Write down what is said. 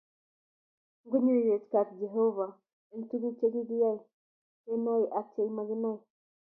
Ngpnyoiwech kaat Jeovah eng tukuk che kikiyai kenae ak che makinai